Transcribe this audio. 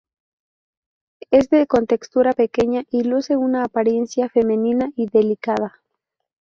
Es de contextura pequeña y luce una apariencia femenina y delicada.